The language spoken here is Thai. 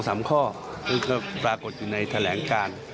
มันก็ปรากฎอยู่ในฐาแหลงการ